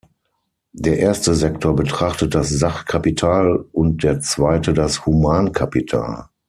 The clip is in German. Der erste Sektor betrachtet das Sachkapital und der zweite das Humankapital.